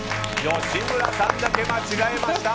吉村さんだけ間違えました。